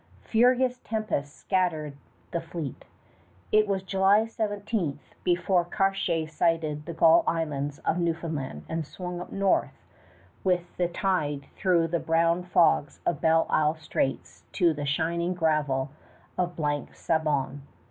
Furious tempests scattered the fleet. It was July 17 before Cartier sighted the gull islands of Newfoundland and swung up north with the tide through the brown fogs of Belle Isle Straits to the shining gravel of Blanc Sablon.